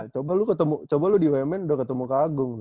coba lo ketemu coba lo di bumn udah ketemu kak agung